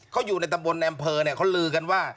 เขาอยู่ในตำบลแนมเพอเขาลือกันว่า